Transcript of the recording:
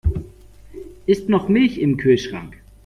Ist noch Milch im Kühlschrank?